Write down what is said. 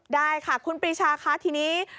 ได้ค่ะคุณปรีชาค่ะทีนี้